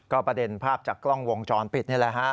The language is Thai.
ประเด็นภาพจากกล้องวงจรปิดนี่แหละฮะ